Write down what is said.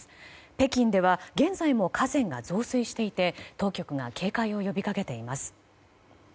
北京では現在も河川が増水していて当局が警戒を呼びかけています。